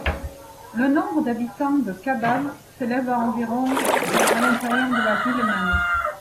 Le nombre d’habitants de Khabab s’élève à environ à l’intérieur de la ville même.